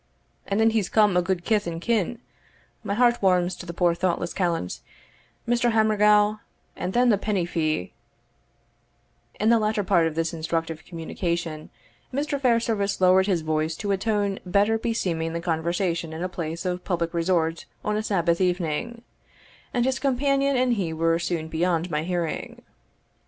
And then he's come o' guid kith and kin My heart warms to the poor thoughtless callant, Mr. Hammorgaw and then the penny fee" In the latter part of this instructive communication, Mr. Fairservice lowered his voice to a tone better beseeming the conversation in a place of public resort on a Sabbath evening, and his companion and he were soon beyond my hearing.